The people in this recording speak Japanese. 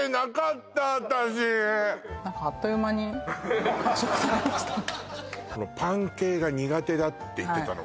何かあっという間に食されましたね。